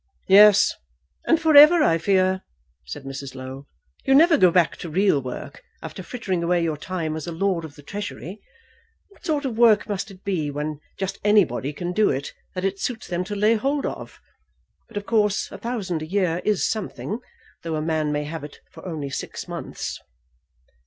"Yes; and for ever I fear," said Mrs. Low, "You'll never go back to real work after frittering away your time as a Lord of the Treasury. What sort of work must it be when just anybody can do it that it suits them to lay hold of? But of course a thousand a year is something, though a man may have it for only six months."